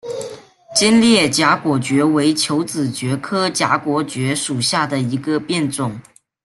尖裂荚果蕨为球子蕨科荚果蕨属下的一个变种。